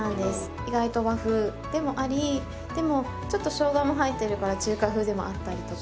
意外と和風でもありでもちょっとしょうがも入ってるから中華風でもあったりとか。